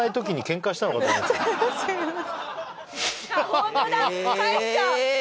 ホントだかえした！